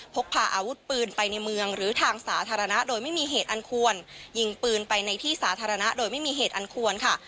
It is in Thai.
พกพาอาวุธปืนไปในเมืองหรือทางสาธารณะโดยไม่มีเหตุอันควรยิงปืนไปในที่สาธารณะโดยไม่มีเหตุอันควรค่ะ